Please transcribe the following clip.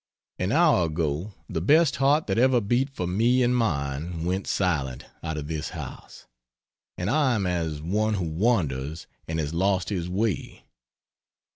An hour ago the best heart that ever beat for me and mine went silent out of this house, and I am as one who wanders and has lost his way.